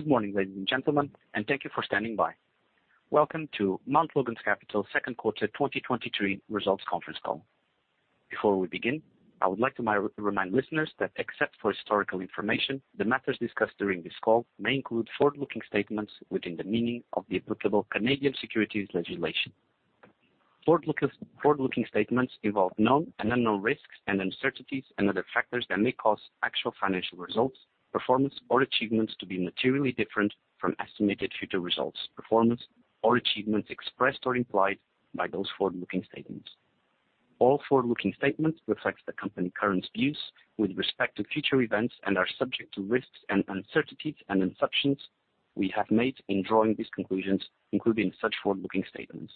Good morning, ladies and gentlemen, and thank you for standing by. Welcome to Mount Logan Capital's second quarter 2023 results conference call. Before we begin, I would like to remind listeners that except for historical information, the matters discussed during this call may include forward-looking statements within the meaning of the applicable Canadian securities legislation. Forward-looking statements involve known and unknown risks and uncertainties and other factors that may cause actual financial results, performance, or achievements to be materially different from estimated future results, performance, or achievements expressed or implied by those forward-looking statements. All forward-looking statements reflect the company current views with respect to future events and are subject to risks and uncertainties and assumptions we have made in drawing these conclusions, including such forward-looking statements.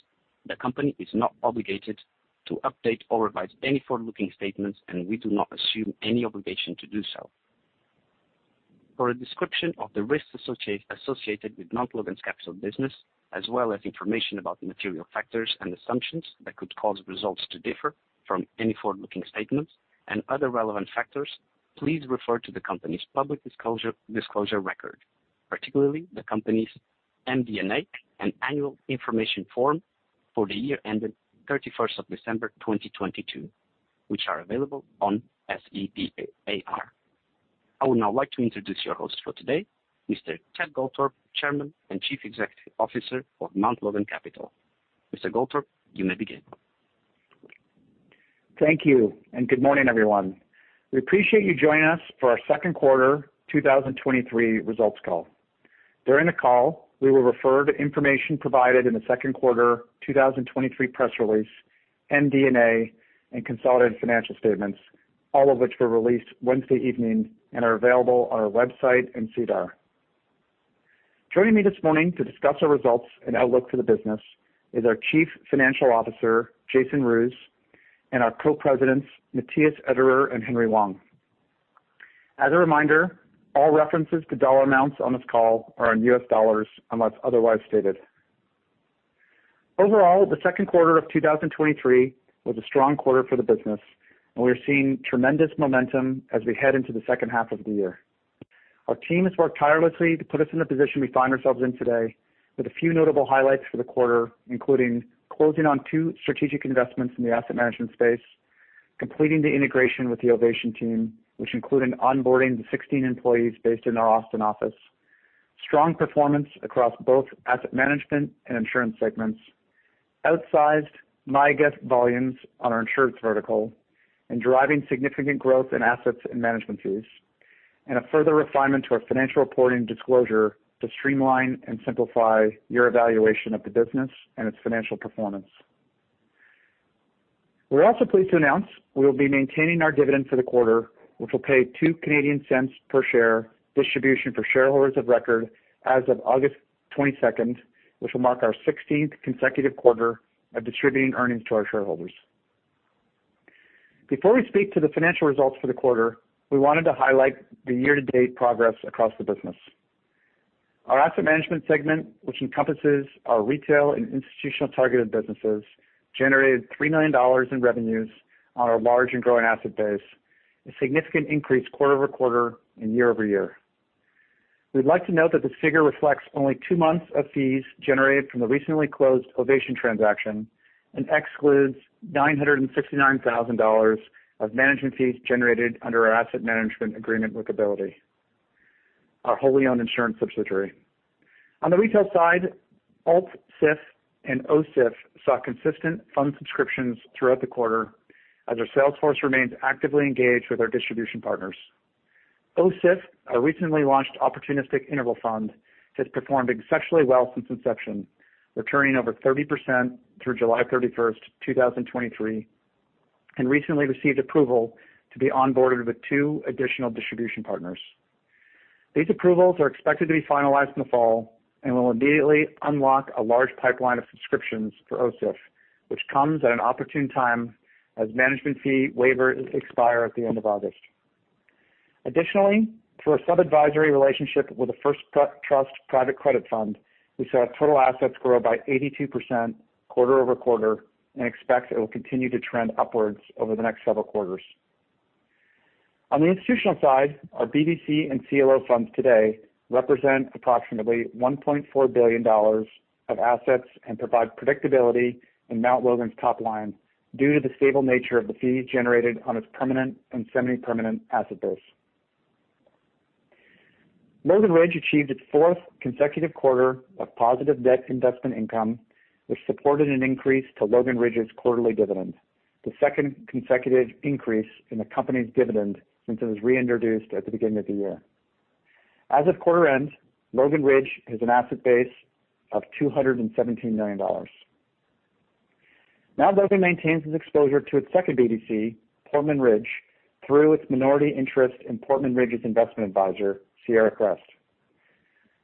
The company is not obligated to update or revise any forward-looking statements, and we do not assume any obligation to do so. For a description of the risks associated with Mount Logan Capital business, as well as information about the material factors and assumptions that could cause results to differ from any forward-looking statements and other relevant factors, please refer to the company's public disclosure, disclosure record, particularly the company's MD&A and Annual Information Form for the year ended 31st of December, 2022, which are available on SEDAR. I would now like to introduce your host for today, Mr. Ted Goldthorpe, Chairman and Chief Executive Officer of Mount Logan Capital. Mr. Goldthorpe, you may begin. Thank you, and good morning, everyone. We appreciate you joining us for our Q2 2023 results call. During the call, we will refer to information provided in the second quarter 2023 press release, MD&A, and consolidated financial statements, all of which were released Wednesday evening and are available on our website and SEDAR. Joining me this morning to discuss our results and outlook for the business is our Chief Financial Officer, Jason Roos, and our Co-Presidents, Matthias Etterer and Henry Wong. As a reminder, all references to dollar amounts on this call are in US dollars, unless otherwise stated. Overall, the second quarter of 2023 was a strong quarter for the business, and we're seeing tremendous momentum as we head into the second half of the year. Our team has worked tirelessly to put us in the position we find ourselves in today, with a few notable highlights for the quarter, including closing on two strategic investments in the asset management space, completing the integration with the Ovation team, which included onboarding the 16 employees based in our Austin office. Strong performance across both asset management and insurance segments, outsized MYGA volumes on our insurance vertical, and driving significant growth in assets and management fees, and a further refinement to our financial reporting and disclosure to streamline and simplify your evaluation of the business and its financial performance. We're also pleased to announce we will be maintaining our dividend for the quarter, which will pay 0.02 per share distribution for shareholders of record as of August 22nd, which will mark our 16th consecutive quarter of distributing earnings to our shareholders. Before we speak to the financial results for the quarter, we wanted to highlight the year-to-date progress across the business. Our asset management segment, which encompasses our retail and institutional targeted businesses, generated $3 million in revenues on our large and growing asset base, a significant increase quarter-over-quarter and year-over-year. We'd like to note that this figure reflects only two months of fees generated from the recently closed Ovation transaction and excludes $969,000 of management fees generated under our asset management agreement with Ability, our wholly owned insurance subsidiary. On the retail side, Alt SIF and OSIF saw consistent fund subscriptions throughout the quarter, as our sales force remains actively engaged with our distribution partners. OSIF, our recently launched opportunistic interval fund, has performed exceptionally well since inception, returning over 30% through July 31, 2023, and recently received approval to be onboarded with two additional distribution partners. These approvals are expected to be finalized in the fall and will immediately unlock a large pipeline of subscriptions for OSIF, which comes at an opportune time as management fee waivers expire at the end of August. Additionally, through our sub-advisory relationship with the First Trust private credit fund, we saw our total assets grow by 82% quarter-over-quarter and expect it will continue to trend upwards over the next several quarters. On the institutional side, our BDC and CLO funds today represent approximately $1.4 billion of assets and provide predictability in Mount Logan's top line due to the stable nature of the fees generated on its permanent and semi-permanent asset base. Logan Ridge achieved its fourth consecutive quarter of positive debt investment income, which supported an increase to Logan Ridge's quarterly dividend, the second consecutive increase in the company's dividend since it was reintroduced at the beginning of the year. As of quarter end, Logan Ridge has an asset base of $217 million. Logan maintains its exposure to its second BDC, Portman Ridge, through its minority interest in Portman Ridge's investment advisor, Sierra Crest.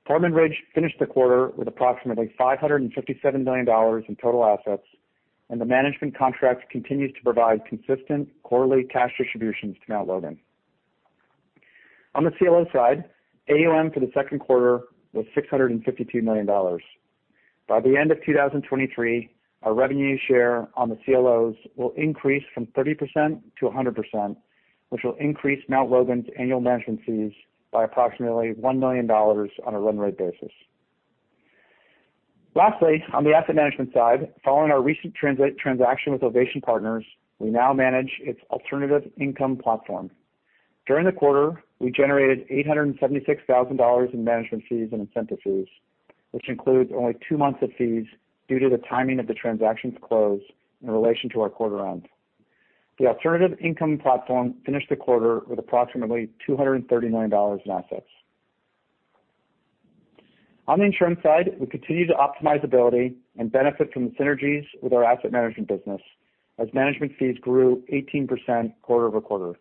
Portman Ridge finished the quarter with approximately $557 million in total assets, and the management contract continues to provide consistent quarterly cash distributions to Mount Logan. On the CLO side, AUM for the Q2 was $652 million. By the end of 2023, our revenue share on the CLOs will increase from 30% to 100%, which will increase Mount Logan's annual management fees by approximately $1 million on a run rate basis. Lastly, on the asset management side, following our recent transaction with Ovation Partners, we now manage its alternative income platform. During the quarter, we generated $876,000 in management fees and incentive fees, which includes only two months of fees due to the timing of the transaction's close in relation to our quarter end. The alternative income platform finished the quarter with approximately $230 million in assets. On the insurance side, we continue to optimize Ability and benefit from the synergies with our asset management business, as management fees grew 18% quarter-over-quarter.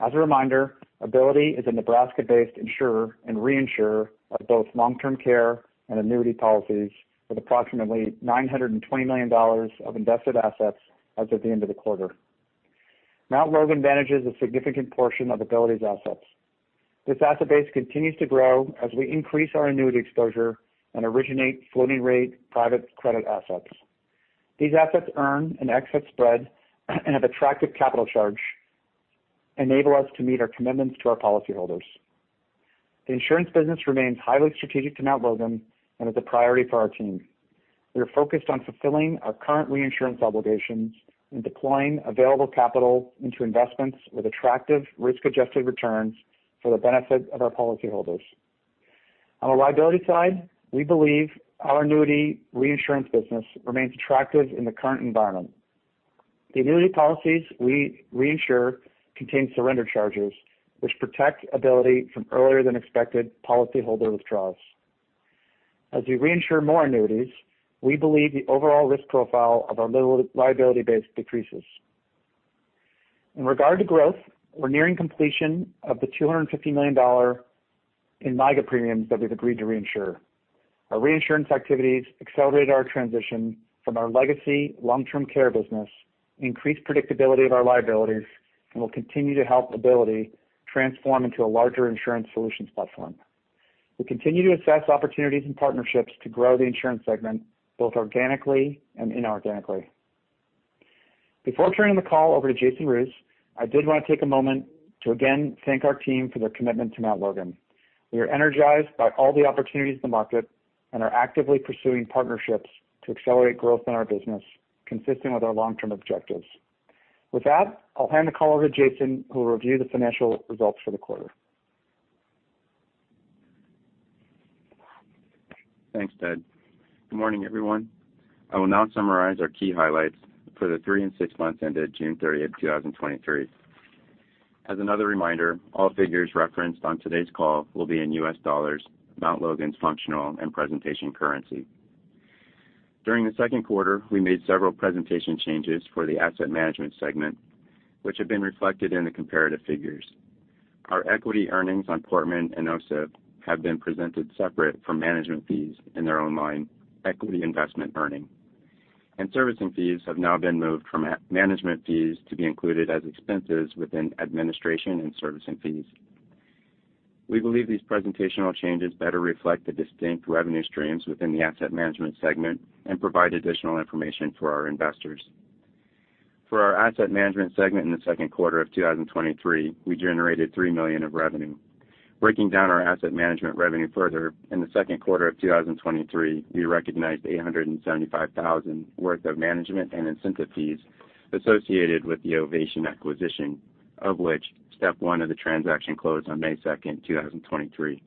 As a reminder, Ability is a Nebraska-based insurer and reinsurer of both long-term care and annuity policies with approximately $920 million of invested assets as of the end of the quarter. Mount Logan manages a significant portion of Ability's assets. This asset base continues to grow as we increase our annuity exposure and originate floating-rate private credit assets. These assets earn an excess spread and have attractive capital charge, enable us to meet our commitments to our policyholders. The insurance business remains highly strategic to Mount Logan and is a priority for our team. We are focused on fulfilling our current reinsurance obligations and deploying available capital into investments with attractive risk-adjusted returns for the benefit of our policyholders. On the liability side, we believe our annuity reinsurance business remains attractive in the current environment. The annuity policies we reinsure contain surrender charges, which protect Ability from earlier than expected policyholder withdrawals. As we reinsure more annuities, we believe the overall risk profile of our liability base decreases. In regard to growth, we're nearing completion of the $250 million in MYGA premiums that we've agreed to reinsure. Our reinsurance activities accelerate our transition from our legacy long-term care business, increase the predictability of our liabilities, and will continue to help ability transform into a larger insurance solutions platform. We continue to assess opportunities and partnerships to grow the insurance segment, both organically and inorganically. Before turning the call over to Jason Roos, I did want to take a moment to again thank our team for their commitment to Mount Logan. We are energized by all the opportunities in the market and are actively pursuing partnerships to accelerate growth in our business, consistent with our long-term objectives. With that, I'll hand the call over to Jason, who will review the financial results for the quarter. Thanks, Ted. Good morning, everyone. I will now summarize our key highlights for the three and six months ended June 30th, 2023. As another reminder, all figures referenced on today's call will be in US dollars, Mount Logan's functional and presentation currency. During the Q2, we made several presentation changes for the asset management segment, which have been reflected in the comparative figures. Our equity earnings on Portman and OSIF have been presented separate from management fees in their own line, equity investment earning. Servicing fees have now been moved from management fees to be included as expenses within administration and servicing fees. We believe these presentational changes better reflect the distinct revenue streams within the asset management segment and provide additional information for our investors. For our asset management segment in the Q2 of 2023, we generated $3 million of revenue. Breaking down our asset management revenue further, in the Q2 of 2023, we recognized $875,000 worth of management and incentive fees associated with the Ovation acquisition, of which step one of the transaction closed on May 2, 2023.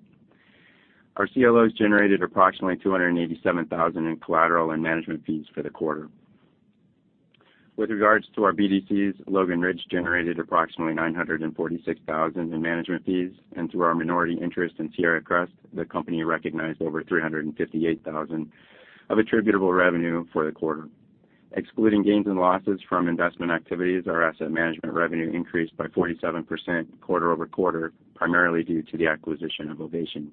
Our CLOs generated approximately $287,000 in collateral and management fees for the quarter. With regards to our BDCs, Logan Ridge generated approximately $946,000 in management fees, and through our minority interest in Sierra Crest, the company recognized over $358,000 of attributable revenue for the quarter. Excluding gains and losses from investment activities, our asset management revenue increased by 47% quarter-over-quarter, primarily due to the acquisition of Ovation.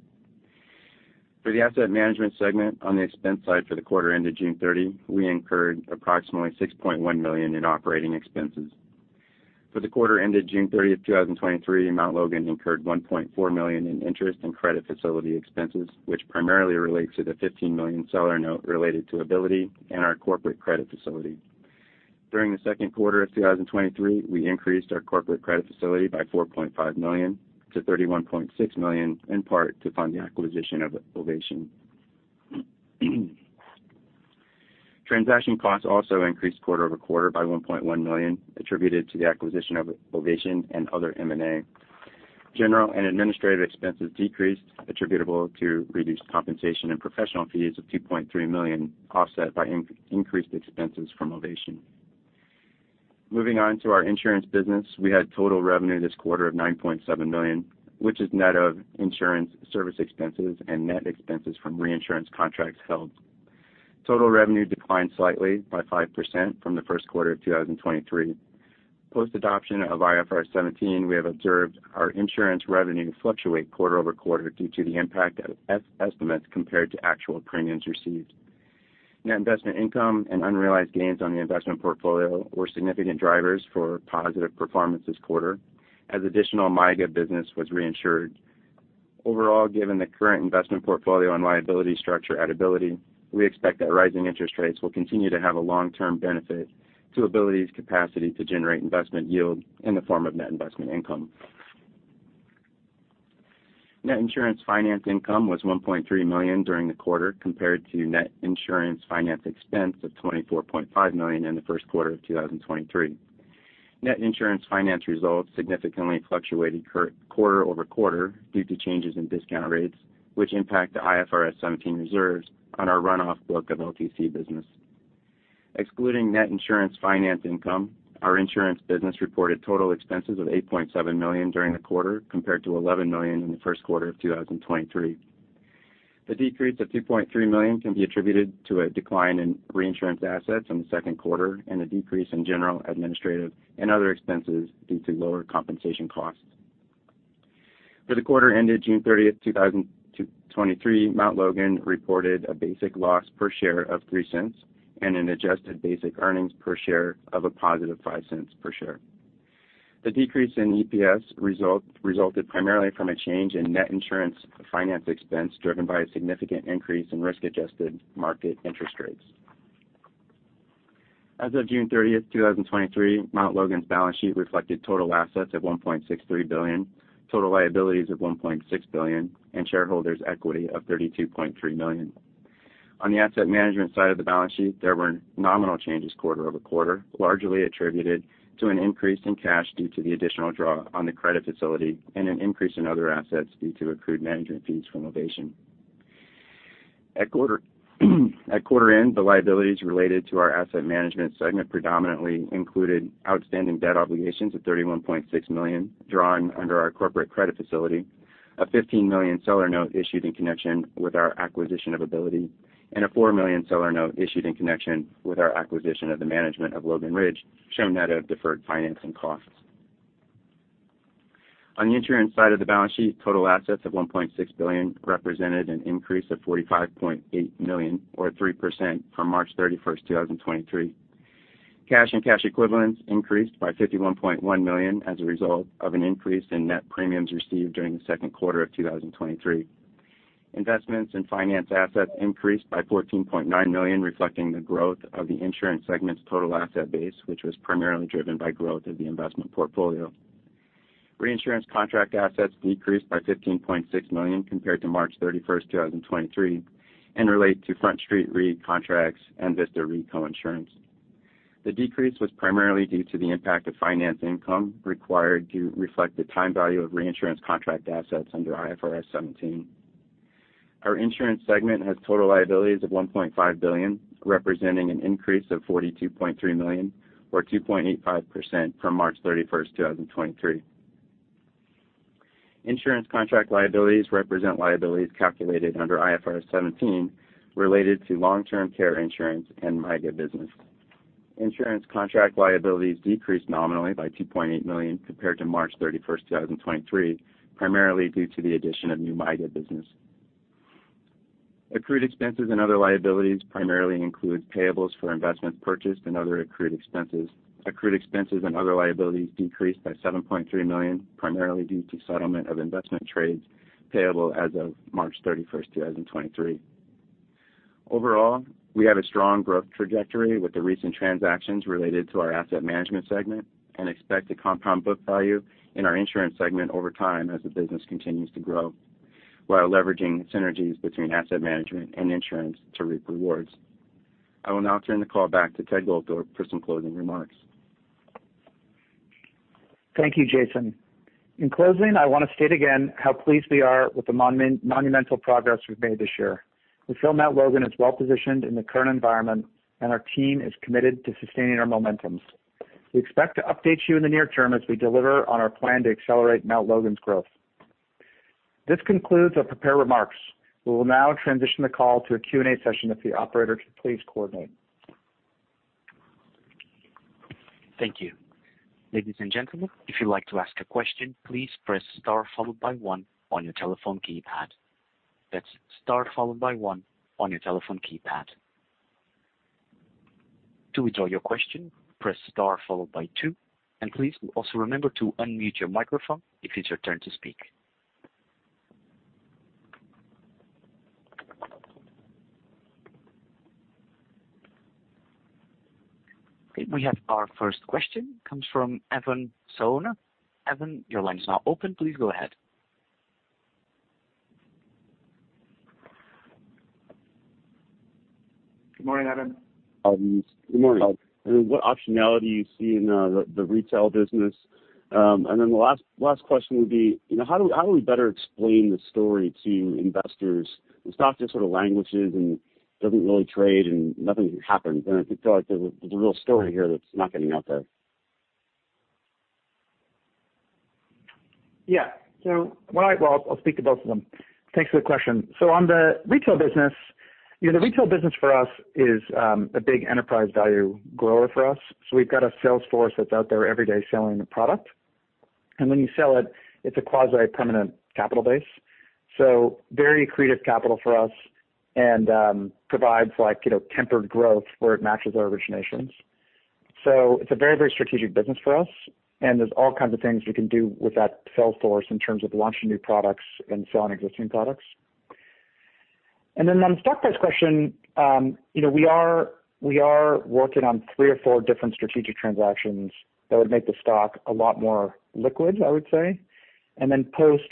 For the asset management segment, on the expense side for the quarter ended June 30, we incurred approximately $6.1 million in operating expenses. For the quarter ended June 30, 2023, Mount Logan incurred $1.4 million in interest and credit facility expenses, which primarily relates to the $15 million seller note related to ability and our corporate credit facility. During the second quarter of 2023, we increased our corporate credit facility by $4.5 million to $31.6 million, in part to fund the acquisition of Ovation. Transaction costs also increased quarter-over-quarter by $1.1 million, attributed to the acquisition of Ovation and other M&A. General and administrative expenses decreased, attributable to reduced compensation and professional fees of $2.3 million, offset by increased expenses from Ovation. Moving on to our insurance business. We had total revenue this quarter of $9.7 million, which is net of insurance, service expenses, and net expenses from reinsurance contracts held. Total revenue declined slightly by 5% from the first quarter of 2023. Post-adoption of IFRS 17, we have observed our insurance revenue fluctuate quarter over quarter due to the impact of estimates compared to actual premiums received. Net investment income and unrealized gains on the investment portfolio were significant drivers for positive performance this quarter, as additional MYGA business was reinsured. Overall, given the current investment portfolio and liability structure at Ability, we expect that rising interest rates will continue to have a long-term benefit to Ability's capacity to generate investment yield in the form of net investment income. Net insurance finance income was $1.3 million during the quarter, compared to net insurance finance expense of $24.5 million in the Q1 of 2023. Net insurance finance results significantly fluctuated quarter-over-quarter due to changes in discount rates, which impact the IFRS 17 reserves on our run-off book of LTC business. Excluding net insurance finance income, our insurance business reported total expenses of $8.7 million during the quarter, compared to $11 million in the Q1of 2023. The decrease of $2.3 million can be attributed to a decline in reinsurance assets in the Q2 and a decrease in general, administrative and other expenses due to lower compensation costs. For the quarter ended June 30, 2023, Mount Logan reported a basic loss per share of $0.03 and an adjusted basic earnings per share of a positive $0.05 per share. The decrease in EPS resulted primarily from a change in net insurance finance expense, driven by a significant increase in risk-adjusted market interest rates. As of June 30, 2023, Mount Logan's balance sheet reflected total assets of $1.63 billion, total liabilities of $1.6 billion, and shareholders' equity of $32.3 million. On the asset management side of the balance sheet, there were nominal changes quarter-over-quarter, largely attributed to an increase in cash due to the additional draw on the credit facility and an increase in other assets due to accrued management fees from Ovation. At quarter end, the liabilities related to our asset management segment predominantly included outstanding debt obligations of $31.6 million, drawing under our corporate credit facility, a $15 million seller note issued in connection with our acquisition of Ability, and a $4 million seller note issued in connection with our acquisition of the management of Logan Ridge, shown net of deferred financing costs. On the insurance side of the balance sheet, total assets of $1.6 billion represented an increase of $45.8 million, or 3%, from March 31st, 2023. Cash and cash equivalents increased by $51.1 million as a result of an increase in net premiums received during the Q2 of 2023. Investments in finance assets increased by $14.9 million, reflecting the growth of the insurance segment's total asset base, which was primarily driven by growth of the investment portfolio. Reinsurance contract assets decreased by $15.6 million compared to March 31, 2023, and relate to Front Street Re contracts and Vista Re coinsurance. The decrease was primarily due to the impact of finance income required to reflect the time value of reinsurance contract assets under IFRS 17. Our insurance segment has total liabilities of $1.5 billion, representing an increase of $42.3 million, or 2.85% from March 31, 2023. Insurance contract liabilities represent liabilities calculated under IFRS 17, related to long-term care insurance and MYGA business. Insurance contract liabilities decreased nominally by $2.8 million compared to March 31, 2023, primarily due to the addition of new MYGA business. Accrued expenses and other liabilities primarily include payables for investments purchased and other accrued expenses. Accrued expenses and other liabilities decreased by $7.3 million, primarily due to settlement of investment trades payable as of March 31, 2023. Overall, we have a strong growth trajectory with the recent transactions related to our asset management segment and expect to compound book value in our insurance segment over time as the business continues to grow, while leveraging synergies between asset management and insurance to reap rewards. I will now turn the call back to Ted Goldthorpe for some closing remarks. Thank you, Jason. In closing, I want to state again how pleased we are with the monumental progress we've made this year. We feel Mount Logan is well positioned in the current environment. Our team is committed to sustaining our momentums. We expect to update you in the near term as we deliver on our plan to accelerate Mount Logan's growth. This concludes our prepared remarks. We will now transition the call to a Q&A session, if the operator could please coordinate. Thank you. Ladies and gentlemen, if you'd like to ask a question, please press star followed by one on your telephone keypad. That's star followed by one on your telephone keypad. To withdraw your question, press star followed by two, and please also remember to unmute your microphone if it's your turn to speak. Okay, we have our first question comes from Evan Souna. Evan, your line is now open. Please go ahead. Good morning, Evan. Good morning. I mean, what optionality you see in the retail business? Then the last, last question would be, you know, how do we, how do we better explain the story to investors? We've talked to sort of languages and doesn't really trade and nothing happens, and it could feel like there's a, there's a real story here that's not getting out there. Yeah. Well, I'll speak to both of them. Thanks for the question. So on the retail business, you know, the retail business for us is a big enterprise value grower for us. So we've got a sales force that's out there every day selling the product. When you sell it, it's a quasi-permanent capital base. So very accretive capital for us and provides like, you know, tempered growth where it matches our originations. So it's a very, very strategic business for us, and there's all kinds of things we can do with that sales force in terms of launching new products and selling existing products. Then on the stock price question, you know, we are, we are working on three or four different strategic transactions that would make the stock a lot more liquid, I would say. Then post,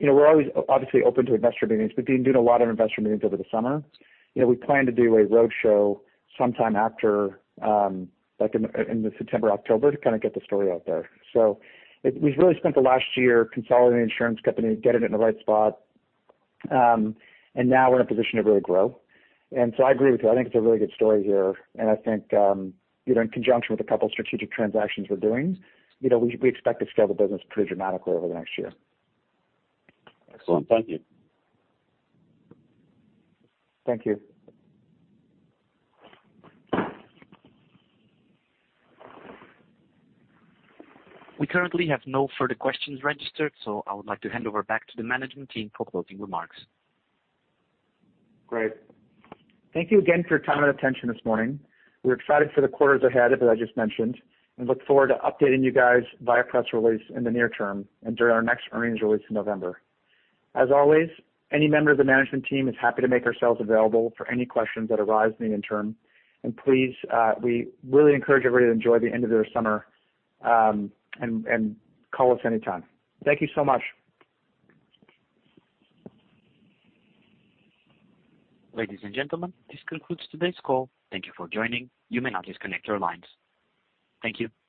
you know, we're always obviously open to investor meetings, we've been doing a lot of investor meetings over the summer. You know, we plan to do a roadshow sometime after, like in, in the September, October to kind of get the story out there. We've really spent the last year consolidating the insurance company, getting it in the right spot, and now we're in a position to really grow. So I agree with you, I think it's a really good story here, and I think, you know, in conjunction with a couple of strategic transactions we're doing, you know, we, we expect to scale the business pretty dramatically over the next year. Excellent. Thank you. Thank you. We currently have no further questions registered, so I would like to hand over back to the management team for closing remarks. Great. Thank you again for your time and attention this morning. We're excited for the quarters ahead, as I just mentioned, and look forward to updating you guys via press release in the near term and during our next earnings release in November. As always, any member of the management team is happy to make ourselves available for any questions that arise in the interim. Please, we really encourage everybody to enjoy the end of their summer, and call us anytime. Thank you so much. Ladies and gentlemen, this concludes today's call. Thank you for joining. You may now disconnect your lines. Thank you.